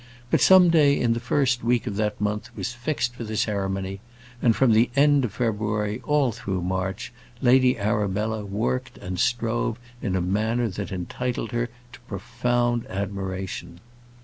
But some day in the first week of that month was fixed for the ceremony, and from the end of February all through March, Lady Arabella worked and strove in a manner that entitled her to profound admiration.